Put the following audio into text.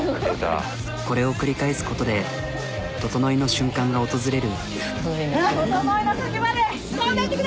これを繰り返すことで整いの瞬間が訪れる。